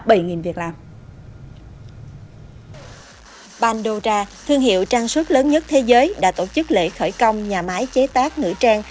pandonar thương hiệu trang sức lớn nhất thế giới đã tổ chức lễ khởi công nhà máy chế tác ngữ trang